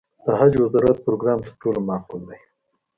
د حج وزارت پروګرام تر ټولو معقول دی.